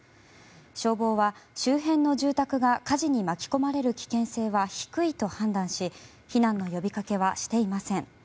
消防は周辺の住宅が火事に巻き込まれる危険性は低いと判断し避難の呼びかけはしていません。